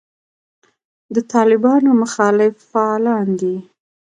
د طالبانو مخالف فعالان دي.